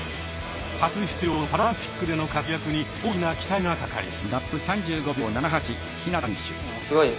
初出場のパラリンピックでの活躍に大きな期待がかかります。